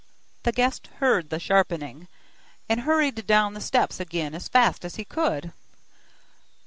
The guest heard the sharpening, and hurried down the steps again as fast as he could.